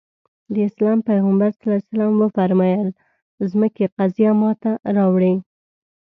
د اسلام پيغمبر ص وفرمايل ځمکې قضيه ماته راوړي.